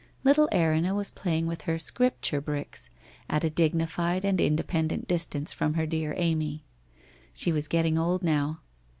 Little Erinna was playing with her Scrip ture bricks at a dignified and independent distance from her dear Amy. She was getting old now.